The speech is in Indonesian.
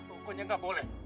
pokoknya gak boleh